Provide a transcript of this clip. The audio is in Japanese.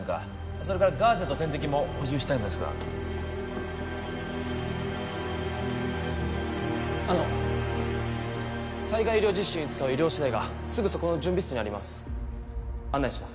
それからガーゼと点滴も補充したいのですがあの災害医療実習に使う医療資材がすぐそこの準備室にあります案内します